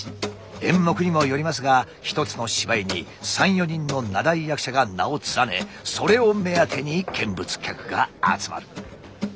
演目にもよりますが一つの芝居に３４人の名題役者が名を連ねそれを目当てに見物客が集まる。